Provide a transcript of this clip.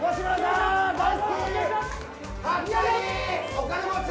お金持ち！